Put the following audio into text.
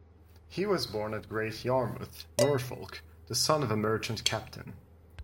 He was born at Great Yarmouth, Norfolk, the son of a merchant captain.